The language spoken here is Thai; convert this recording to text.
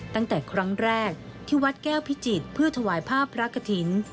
ตั้งแต่ครั้งแรกที่วัดแก้วพิจิตรเพื่อถวายภาพพระกฐิน